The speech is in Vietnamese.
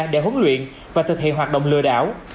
để huấn luyện và thực hiện hoạt động lừa đảo